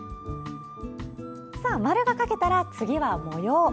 丸が描けたら、次は模様。